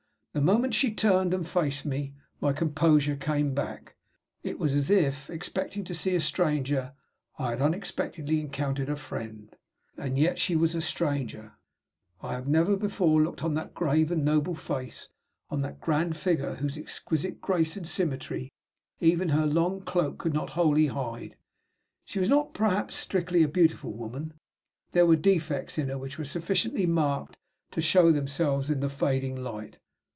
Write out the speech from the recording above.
The moment she turned and faced me, my composure came back. It was as if, expecting to see a stranger, I had unexpectedly encountered a friend. And yet she was a stranger. I had never before looked on that grave and noble face, on that grand figure whose exquisite grace and symmetry even her long cloak could not wholly hide. She was not, perhaps, a strictly beautiful woman. There were defects in her which were sufficiently marked to show themselves in the fading light.